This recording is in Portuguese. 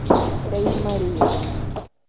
Três Marias